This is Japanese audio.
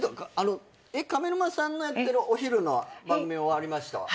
上沼さんのやってるお昼の番組終わりました。